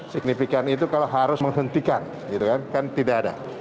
signifikan itu kalau harus menghentikan kan tidak ada